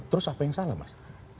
terus apa yang salah mas